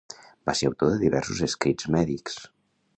Va ser autor de diversos escrits mèdics.